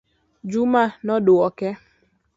Juma nodwoke